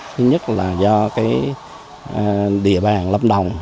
thứ nhất là do địa bàn lâm đồng